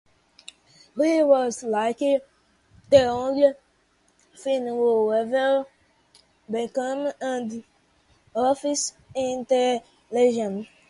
He was likely the only Finn who ever became an officer in the Legion.